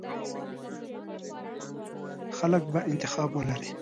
خلک به انتخاب ولري.